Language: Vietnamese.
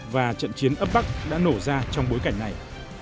và trận chiến ấp bắc đã nổ ra trong bối cảnh này